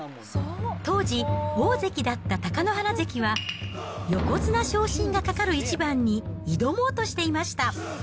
当時、大関だった貴乃花関は横綱昇進がかかる一番に挑もうとしていました。